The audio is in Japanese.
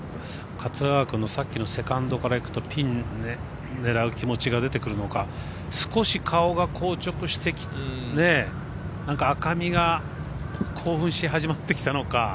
桂川君のさっきのセカンドからいくとピン、狙う気持ちが出てくるのか少し顔が硬直してなんか赤みが興奮し始まってきたのか。